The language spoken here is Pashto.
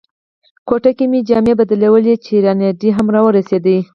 کوټه کې مې جامې بدلولې چې رینالډي هم را ورسېد.